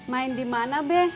main di mana be